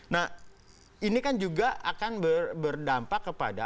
nah ini kan juga akan berdampak kepada